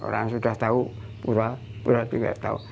orang sudah tahu pura pura tidak tahu